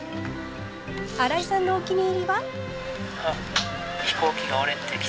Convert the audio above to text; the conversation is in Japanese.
新井さんのお気に入りは？